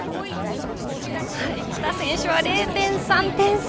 喜田選手は０．３点差。